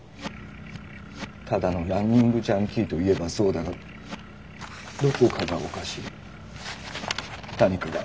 ただのランニングジャンキーといえばそうだがどこかがおかしい。何かが。